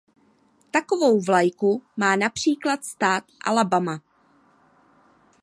Takovou vlajku má například stát Alabama.